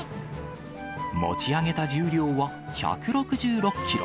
持ち上げた重量は１６６キロ。